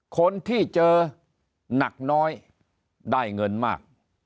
คนที่เจอหนักน้อยได้เงินมาก